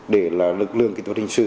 để lực lượng kỹ thuật hình sự